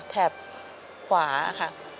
แถบขวาค่ะ